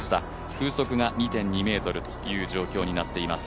風速が２．２メートルという状況になっています。